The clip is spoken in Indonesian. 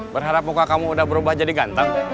berharap muka kamu udah berubah jadi ganteng